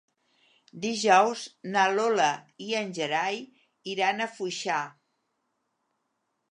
Dijous na Lola i en Gerai iran a Foixà.